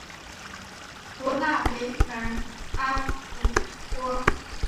博纳维尔阿普托。